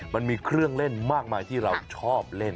มันมีเครื่องเล่นมากมายที่เราชอบเล่น